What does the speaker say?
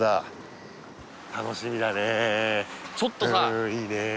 うんいいね